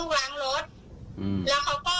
แล้วเขาก็ไปตามเมียเขามา